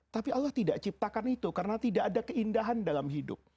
tapi allah tidak ciptakan itu karena tidak ada keindahan dalam hidup